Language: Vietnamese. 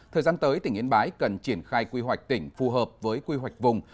thời gian tới tỉnh yên bái cần triển khai quy hoạch tỉnh phù hợp với quy hoạch vùng